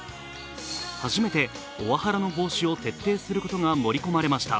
初めてオワハラの防止を徹底することが盛り込まれました。